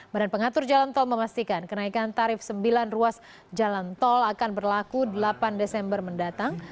badan pengatur jalan tol memastikan kenaikan tarif sembilan ruas jalan tol akan berlaku delapan desember mendatang